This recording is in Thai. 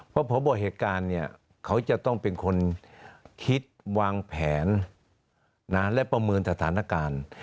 เพราะพบเหตุการณ์เนี่ยเขาจะต้องเป็นคนคิดวางแผนและประเมินสถานการณ์